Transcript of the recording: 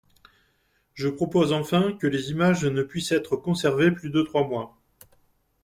» Je propose enfin que les images ne puissent être conservées plus de trois mois.